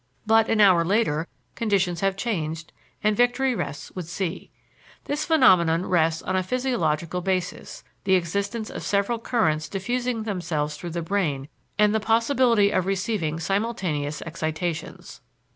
But an hour later conditions have changed and victory rests with C. This phenomenon rests on a physiological basis: the existence of several currents diffusing themselves through the brain and the possibility of receiving simultaneous excitations.